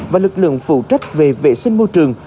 và lực lượng phụ trách về vệ sinh môi trường